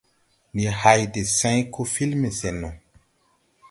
Ndi hày de sãy koo filme sɛn no.